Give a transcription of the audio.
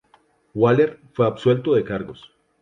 Waller fue absuelto de cargos.